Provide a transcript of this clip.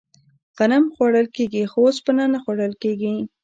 غنم خوړل کیږي خو اوسپنه نه خوړل کیږي.